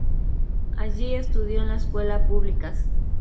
Allí estudió en la escuela públicas.